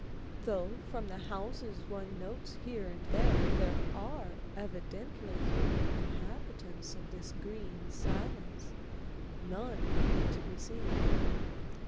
Though, from the houses one notes here and there, there are evidently human inhabitants of this green silence, none are to be seen.